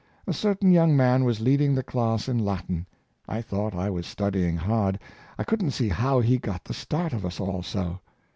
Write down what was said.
A certain young man was leading the class in Latin. I thought I was studying hard. I couldn't see how he got the start of us all so.